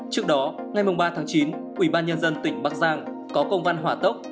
trước đó ngày ba chín ubnd tỉnh bác giang có công văn hỏa tốc